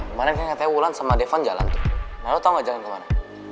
eh man lu tau gak kemarin katanya wulan sama devon jalan tuh nah lu tau gak jalan kemana